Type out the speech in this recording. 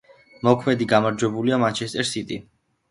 მოქმედი გამარჯვებულია „მანჩესტერ სიტი“.